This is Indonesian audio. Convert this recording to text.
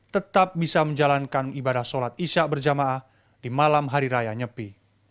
tetap bisa menjalankan ibadah sholat isya berjamaah di malam hari raya nyepi